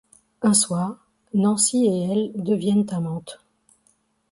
Un soir, Nancy et elle deviennent amantes.